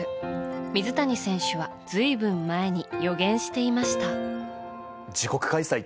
水谷選手は、随分前に予言していました。